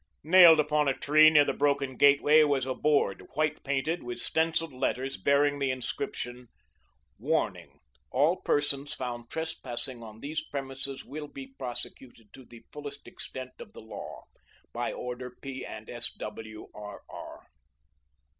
Nailed upon a tree near the broken gateway was a board, white painted, with stencilled letters, bearing the inscription: "Warning. ALL PERSONS FOUND TRESPASSING ON THESE PREMISES WILL BE PROSECUTED TO THE FULLEST EXTENT OF THE LAW. By order P. and S. W. R. R."